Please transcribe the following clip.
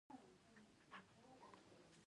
دوی د خپلې خاورې دفاع کوله